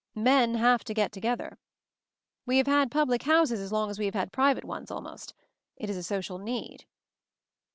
"Men have to get together. We have had public houses as long as we have had private ones, almost. It is a social need."